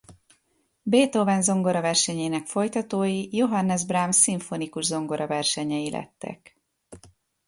Beethoven zongoraversenyeinek folytatói Johannes Brahms szimfonikus zongoraversenyei lettek.